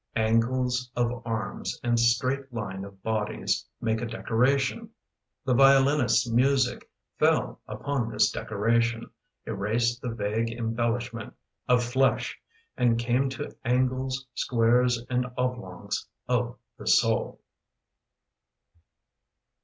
Angles of arms and straight line of bodies Made a decoration. The violinist's music Fell upon this decoration; Erased the vague embellishment of flesh; And came to angles, squares, and oblongs Of the soul.